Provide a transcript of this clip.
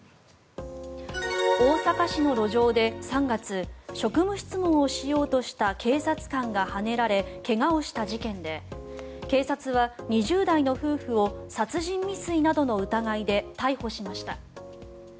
大阪市の路上で３月職務質問をしようとした警察官がはねられ怪我をした事件で警察は２０代の夫婦を殺人未遂などの疑いで逮捕しました。